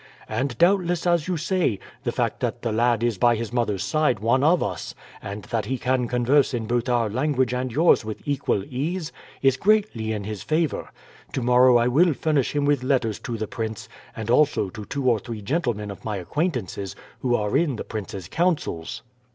And doubtless, as you say, the fact that the lad is by his mother's side one of us, and that he can converse in both our language and yours with equal ease, is greatly in his favour. Tomorrow I will furnish him with letters to the prince, and also to two or three gentlemen of my acquaintances, who are in the prince's councils."